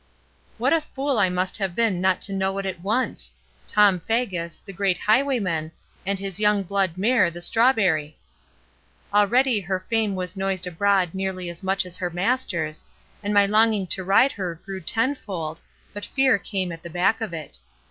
What a fool I must have been not to know it at once! Tom Faggus, the great highwayman, and his young blood mare, the strawberry. Already her fame was noised abroad nearly as much as her master's, and my longing to ride her grew tenfold, but fear came at the back of it.